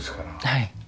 はい。